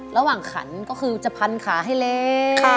ระหว่างขันก็คือจะพันขาให้เล็ก